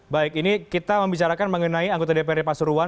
baik ini kita membicarakan mengenai anggota dprd pasuruan